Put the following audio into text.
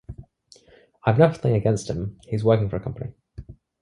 I've nothing against him, he's working for a company.